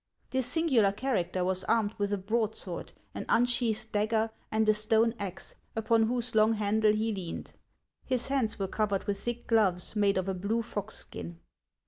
This sin gular character was armed with a broadsword, an un sheathed dagger, and a stone axe, upon whose long handle he leaned ; his hands were covered with thick gloves made of a blue fox skin.